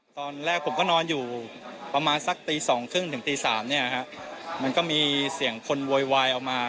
ตอนแรกผมก็นอนอยู่ประมาณสักตีสองครึ่งถึงตีสามเนี่ยฮะมันก็มีเสียงคนโวยวายออกมา